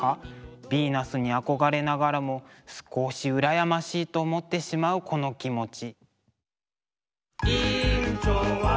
ヴィーナスに憧れながらも少し羨ましいと思ってしまうこの気持ち。